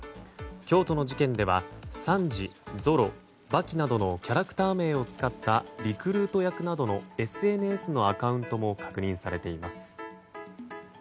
京都の事件ではサンジ、ゾロ、刃牙などのキャラクター名を使ったリクルート役などのＳＮＳのアカウントも確認されています。